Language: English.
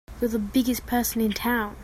You're the biggest person in town!